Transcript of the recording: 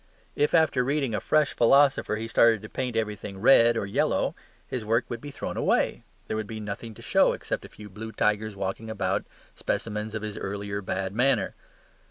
If, after reading a fresh philosopher, he started to paint everything red or yellow, his work would be thrown away: there would be nothing to show except a few blue tigers walking about, specimens of his early bad manner.